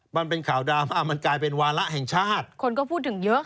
มันเป็นข่าวดราม่ามันกลายเป็นวาระแห่งชาติคนก็พูดถึงเยอะค่ะ